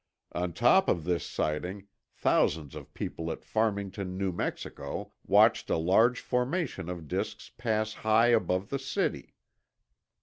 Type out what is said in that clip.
On top of this sighting, thousands of people at Farmington, New Mexico, watched a large formation of disks pass high above the city.